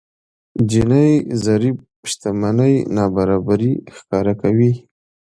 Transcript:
جيني ضريب شتمنۍ نابرابري ښکاره کوي.